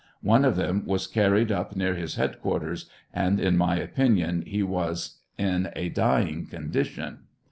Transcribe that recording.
One of them was carried up near his headquarters, and in my opinion ho was in a dying condition.